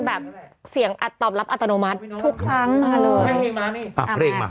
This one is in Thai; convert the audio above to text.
อย่าโอนอย่าโอนให้โอนหนึ่งอย่าโอนเด็ดขาด